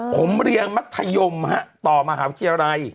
ผมเรียนมัธยมต่อมหาวิทยาลัย